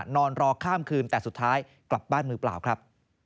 นอนรอข้ามคืนแต่สุดท้ายกลับบ้านมือเปล่าครับ